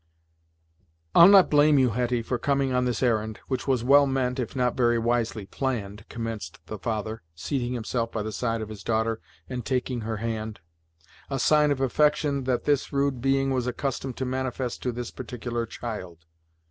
"I'll not blame you, Hetty, for coming on this errand, which was well meant if not very wisely planned," commenced the father, seating himself by the side of his daughter and taking her hand; a sign of affection that this rude being was accustomed to manifest to this particular child.